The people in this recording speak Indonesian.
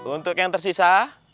untuk yang tersisa